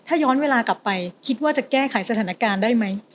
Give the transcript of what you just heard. ถ้าย้อนเวลากลับไปคิดว่าจะแก้ไขสถานการณ์ได้ไหม